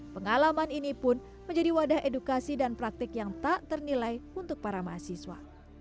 pengalaman ini pun menjadi wadah edukasi dan praktik yang tak ternilai untuk para mahasiswa